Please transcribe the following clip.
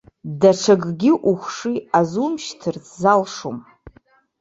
Даҽакгьы ухшыҩ азумшьҭырц залшом.